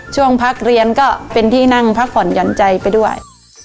ช่วงพักเรียนก็เป็นที่นั่งพักผ่อนหย่อนใจไปด้วย